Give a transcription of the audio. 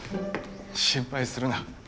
心配するな。